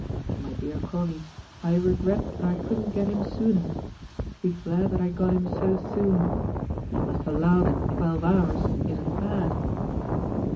My dear Corry, I regret that I couldn't get him sooner. Be glad that I got him so soon. You must allow that twelve hours isn't bad."